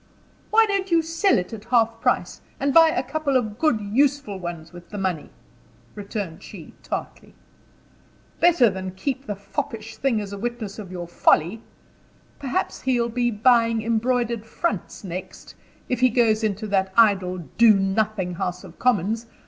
"Why don't you sell it at half price, and buy a couple of good useful ones with the money?" returned she, tartly. "Better that than keep the foppish thing as a witness of your folly. Perhaps he'll be buying embroidered fronts next, if he goes into that idle, do nothing House of Commons.